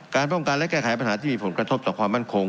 ป้องกันและแก้ไขปัญหาที่มีผลกระทบต่อความมั่นคง